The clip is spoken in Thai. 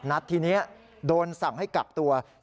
และนัดที่นี้โดนสั่งให้กลับตัว